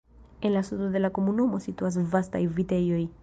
En la sudo de la komunumo situas vastaj vitejoj.